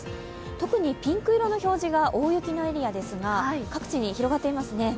特にピンク色の表示が大雪のエリアですが各地に広がっています。